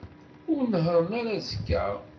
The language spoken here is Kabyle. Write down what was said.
Ur nehhṛen ara azekka.